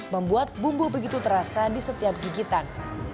membuat bumbu begitu terasa di setiap gigitan